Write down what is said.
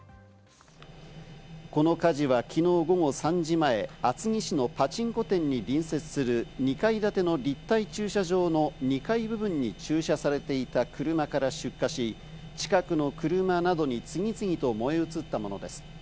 この火事はきのう午後３時前、厚木市のパチンコ店に隣接する２階建ての立体駐車場の２階部分に駐車されていた車から出火し、近くの車などに次々と燃え移ったものです。